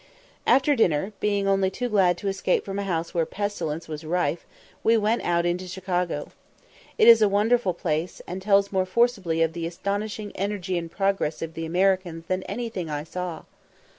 After dinner, being only too glad to escape from a house where pestilence was rife, we went out into Chicago. It is a wonderful place, and tells more forcibly of the astonishing energy and progress of the Americans than anything I saw.